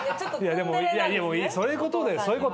そういうことだよ。